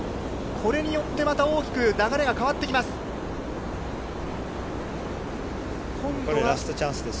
これによって大きく流れが変わってきます。